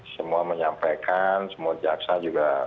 semua menyampaikan semua jaksa juga